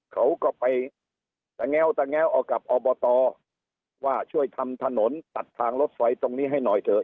เขาก็ไปตะแง้วตะแง้วเอากับอบตว่าช่วยทำถนนตัดทางรถไฟตรงนี้ให้หน่อยเถอะ